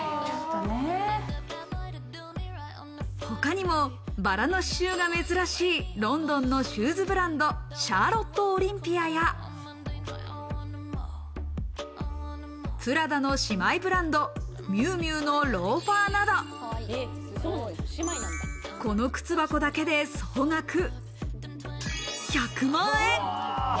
他にもバラの刺繍が珍しいロンドンのシューズブランド、シャーロットオリンピアやプラダの姉妹ブランド、ミュウミュウのローファーなど、この靴箱だけで総額１００万円。